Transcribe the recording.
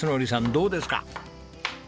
どうですか？